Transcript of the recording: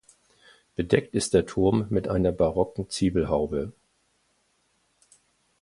Bedeckt ist der Turm mit einer barocken Zwiebelhaube.